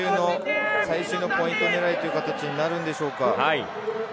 最終のポイント狙いという形になるのでしょうか？